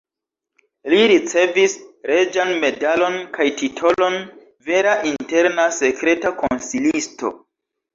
Li ricevis reĝan medalon kaj titolon "vera interna sekreta konsilisto".